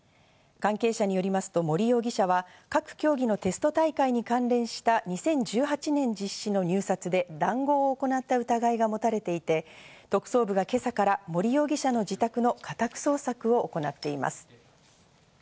関係者によりますと森容疑者は、各競技のテスト大会に関連した２０１８年実施の入札で談合を行った疑いが持たれていて、特捜部が今朝から森容疑者の自宅の家宅捜索を行っています。